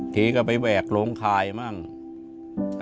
ท้ีก็ไปแวะรงคายมาก